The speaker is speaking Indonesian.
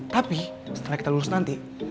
tapi setelah kita lurus nanti